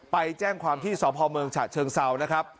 ไปแจ้งความที่สพเมืองฉะเชิงเซานะครับ